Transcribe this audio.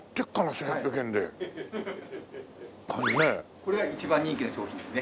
これが一番人気の商品ですね。